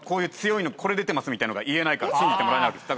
「これ出てます」みたいのが言えないから信じてもらえないわけです。